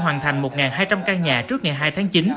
hoàn thành một hai trăm linh căn nhà trước ngày hai tháng chín